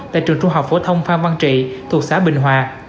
tại trường trung học phổ thông phan văn trị thuộc xã bình hòa